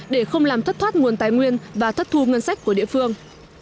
để không làm thất thoát nguồn tài nguyên và thất thu ngân sách của địa phương